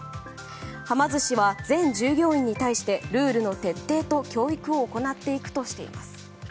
はま寿司は全従業員に対してルールの徹底と教育を行っていくとしています。